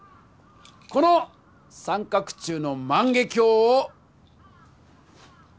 この三角柱の万華鏡を。